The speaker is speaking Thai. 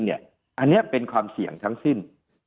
อันนี้เป็นความเสี่ยงทั้งสิ้น